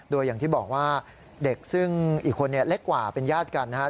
โดยอย่างที่บอกว่าเด็กซึ่งอีกคนเล็กกว่าเป็นญาติกันนะครับ